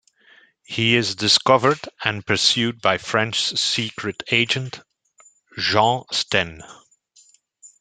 He is discovered and pursued by French secret agent, Jean Sten.